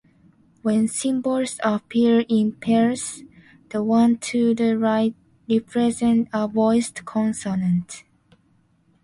When symbols appear in pairs, the one to the right represents a voiced consonant.